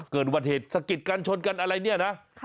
อุบัติเหตุสะกิดกันชนกันอะไรเนี่ยนะ